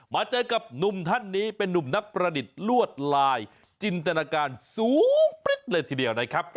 มาเจอกับหนุ่มท่านนี้เป็นนุ่มนักประดิษฐ์ลวดลายจินตนาการสูงปริ๊ดเลยทีเดียวนะครับ